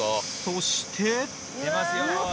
そして。出ますよ。